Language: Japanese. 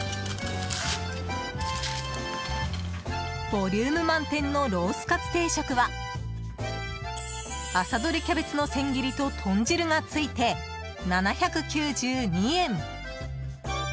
ボリューム満点のロースカツ定食は朝どれキャベツの千切りと豚汁が付いて、７９２円。